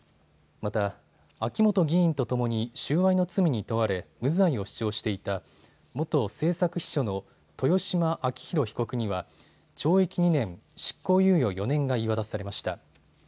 また秋元議員とともに収賄の罪に問われ無罪を主張していた元政策秘書の豊嶋晃弘被告には懲役２年、執行猶予４年が言い渡されました。